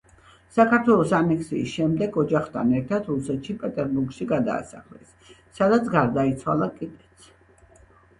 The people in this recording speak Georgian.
საქართველოს ანექსიის შემდეგ ოჯახთან ერთად რუსეთში, პეტერბურგში გადაასახლეს, სადაც გარდაიცვალა კიდეც.